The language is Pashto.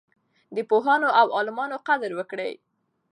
د پوهانو او عالمانو قدر وکړئ.